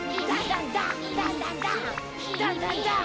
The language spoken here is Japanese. どんどんどん！